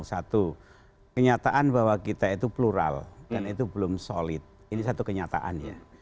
satu kenyataan bahwa kita itu plural dan itu belum solid ini satu kenyataannya